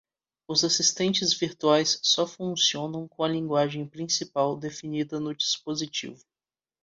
Os assistentes virtuais só funcionam com a linguagem principal definida no dispositivo.